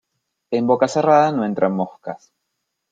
En boca cerrada no entran moscas.